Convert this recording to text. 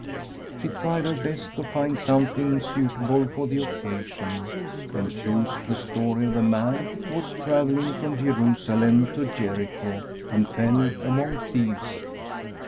She tried her best to find something suitable for the occasion, and chose the story of the man who was travelling from Jerusalem to Jericho, and fell among thieves.